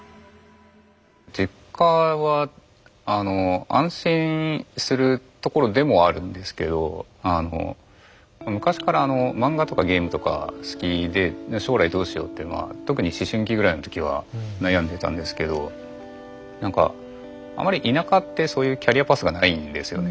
実家はあの安心するところでもあるんですけどあの昔からあの漫画とかゲームとか好きで将来どうしようっていうのは特に思春期ぐらいの時は悩んでたんですけど何かあまり田舎ってそういうキャリアパスがないんですよね。